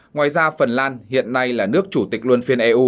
ngoài ra phần lan hiện nay là nước chủ tịch